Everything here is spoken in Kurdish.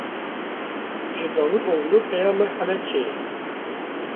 Ji Davutoglu peyama Helebceyê.